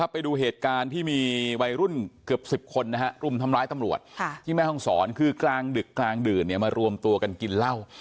ไปดูเหตุการณ์ที่มีวัยรุ่นเกือบ๑๐คนรุมทำร้ายตำรวจที่แม่ห้องศรคือกลางดึกกลางดื่นมารวมตัวกันกินเหล้า